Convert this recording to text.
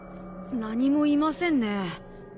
何もいませんね。